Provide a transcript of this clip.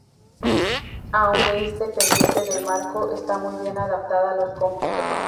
Aunque es dependiente del marco, está muy bien adaptada a los cómputos.